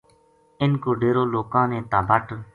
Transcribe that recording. اِنھ کو ڈیرو لوکاں نے تابٹ